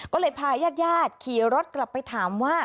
ก็เลยพาญาติขี่รถกลับไปถามว่า